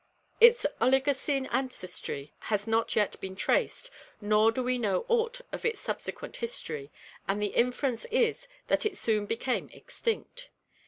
Its Oligoccne ancestry has not yet been traced nor do we know aught of its subsequent history, and the inference is that it soon became extinct.